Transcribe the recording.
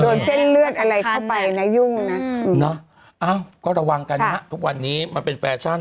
เส้นเลือดอะไรเข้าไปนะยุ่งนะอ้าวก็ระวังกันฮะทุกวันนี้มันเป็นแฟชั่น